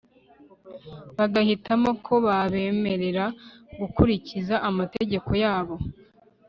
bagahitamo ko babemerera gukurikiza amategeko yabo